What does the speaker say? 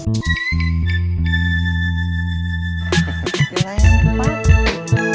ini lah yang apa